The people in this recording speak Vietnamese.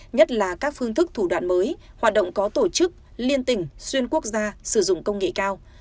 nhất là các phương thức thủ đoạn mới hoạt động có tổ chức liên tỉnh xuyên quốc gia sử dụng công nghệ cao